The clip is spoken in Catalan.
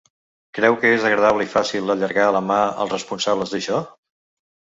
Creu que és agradable i fàcil allargar la mà als responsables d’això?